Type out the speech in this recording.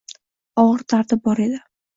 Og’ir dardi bor edi.